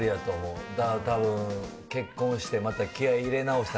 たぶん、結婚してまた気合い入れ直して。